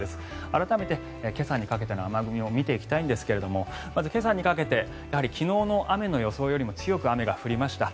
改めて今朝にかけての雨雲を見ていきたいんですがまず今朝にかけてやはり昨日の雨の予想よりも強く、雨が降りました。